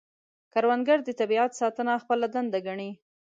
کروندګر د طبیعت ساتنه خپله دنده ګڼي